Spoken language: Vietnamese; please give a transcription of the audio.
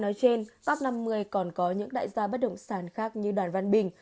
nói trên top năm mươi còn có những đại gia bất động sản khác như đoàn văn bình